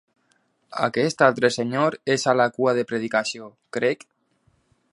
Aquest altre senyor és a la cua de predicació, crec?